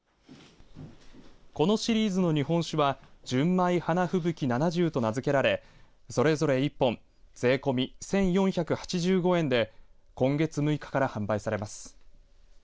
このシリーズの日本酒は純米ＨＡＮＡＦＵＢＵＫＩ７０と名付けられそれぞれ１本税込み１４８５円で今月６日から販売されます。